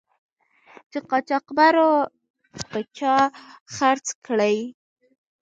چې قاچاقبرو په چا خرڅ کړی.